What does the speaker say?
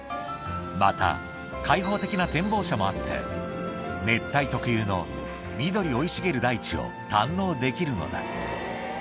また開放的な展望車もあって熱帯特有の緑生い茂る大地を堪能できるのだ